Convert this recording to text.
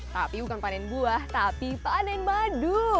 tapi bukan panen buah tapi panen madu